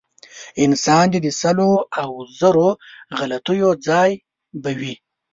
انسان دی د سلو او زرو غلطیو ځای به وي.